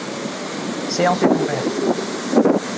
séance est ouverte.